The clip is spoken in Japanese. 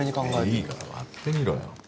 いいから割ってみろよ